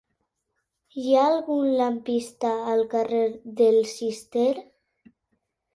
Hi ha algun lampista al carrer del Cister?